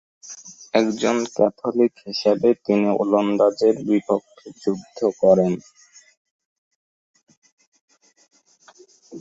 একজন ক্যাথলিক হিসেবে তিনি ওলন্দাজদের বিপক্ষে যুদ্ধ করেন।